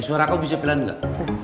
suara kau bisa pelan gak